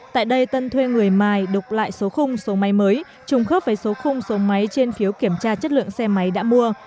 tại đây tân thuê người mài đục lại số khung số máy mới trùng khớp với số khung số máy trên phiếu kiểm tra chất lượng xe máy đã mua